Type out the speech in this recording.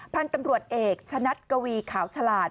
พันธุ์ตำรวจเอกชะนัดกวีขาวฉลาด